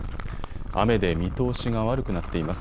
雨で見通しが悪くなっています。